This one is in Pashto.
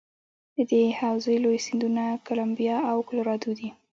د دې حوزې لوی سیندونه کلمبیا او کلورادو دي.